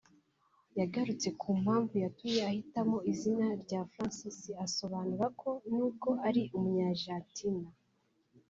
yagarutse ku mpamvu yatumye ahitamo izina rya Francis asobanura ko nubwo ari Umunyarijantina